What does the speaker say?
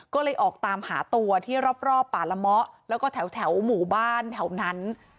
ก็เลยออกตามหาตัวที่รอบป่าละเมาะแล้วก็แถวหมู่บ้านแถวนั้น